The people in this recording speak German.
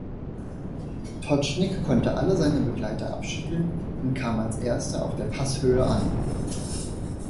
Totschnig konnte alle seine Begleiter abschütteln und kam als Erster auf der Passhöhe an.